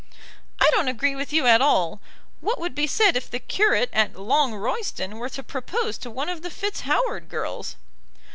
"I don't agree with you at all. What would be said if the curate at Long Royston were to propose to one of the FitzHoward girls?"